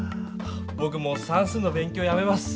ぼくもう算数の勉強やめます。